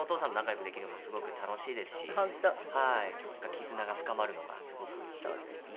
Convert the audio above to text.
絆が深まるのがすごくいいですねはい。